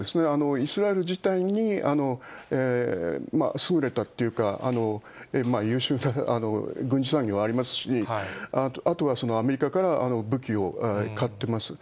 イスラエル自体に優れたというか、優秀な軍事産業がありますし、あとはアメリカから武器を買ってます。